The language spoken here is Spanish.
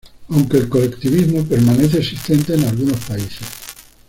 Aunque el colectivismo permanece existente en algunos países.